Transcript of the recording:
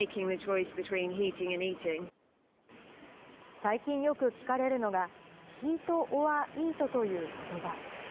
最近よく聞かれるのが、ヒート・オア・イートということば。